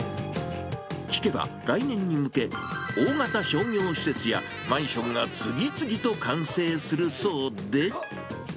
聞けば、来年に向け、大型商業施設やマンションが次々と完成するそうで。